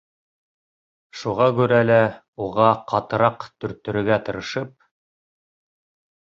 Шуға күрә лә, уға ҡатыраҡ төрттөрөргә тырышып: